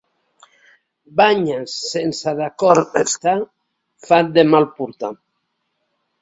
Banyes sense d'acord estar, fan de mal portar.